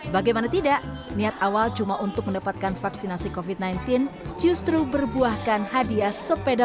bagaimana tidak niat awal cuma untuk mendapatkan vaksinasi covid sembilan belas justru berbuahkan hadiah sepeda